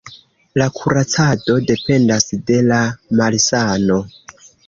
La kuracado dependas de la malsano.